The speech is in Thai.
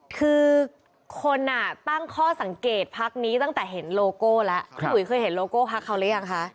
คือคนตั้งข้อสังเกตพักนี้ตั้งแต่เห็นโลโก้แล้วพี่อุ๋ยเคยเห็นโลโก้พักเขาหรือยังคะ